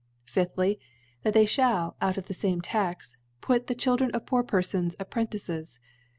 Fifthly J That they (hall, out of the fame Tax, put the Children of poor Perfons Ap prentices.